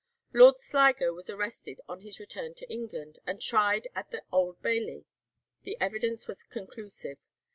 Lord Sligo was arrested on his return to England, and tried at the Old Bailey. The evidence was conclusive.